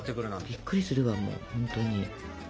びっくりするわもうほんとに。